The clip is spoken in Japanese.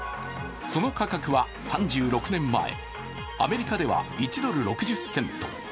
その価格は３６年前、アメリカでは１ドル６０セント。